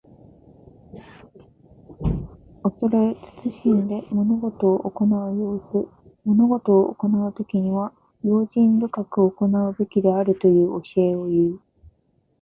恐れ慎んで物事を行う様子。物事を行うときには、用心深く行うべきであるという教えをいう。